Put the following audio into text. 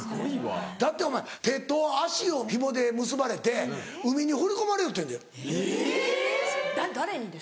だってお前手と足をヒモで結ばれて海に放り込まれよってんで。